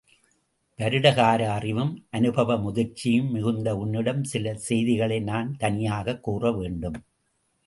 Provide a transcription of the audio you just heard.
வருடகார அறிவும் அநுபவ முதிர்ச்சியும் மிகுந்த உன்னிடம் சில செய்திகளை நான் தனியாகக் கூறவேண்டும்.